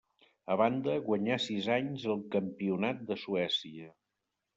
A banda, guanyà sis anys el Campionat de Suècia.